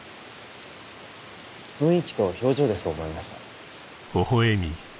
雰囲気と表情でそう思いました。